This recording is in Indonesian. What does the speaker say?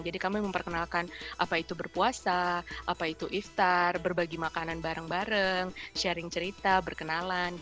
jadi kami memperkenalkan apa itu berpuasa apa itu iftar berbagi makanan bareng bareng sharing cerita berkenalan